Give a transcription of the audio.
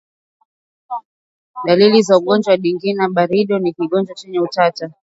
Dalili za ugonjwa wa ndigana baridi ni choo kikavu chenye ute kama makamasi